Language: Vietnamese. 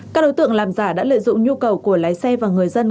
các đối tượng làm giả đã lợi dụng nhu cầu của lái xe và người dân